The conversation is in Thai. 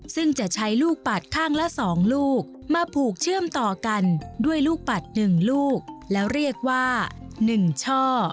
ซึ่งจะใช้ลูกปัดข้างละ๒ลูกมาผูกเชื่อมต่อกันด้วยลูกปัด๑ลูกแล้วเรียกว่า๑ช่อ